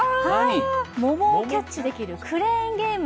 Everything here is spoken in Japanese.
桃をキャッチできるクレーンゲーム。